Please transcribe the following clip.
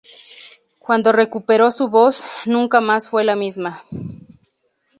Cuando recuperó su voz, nunca más fue la misma.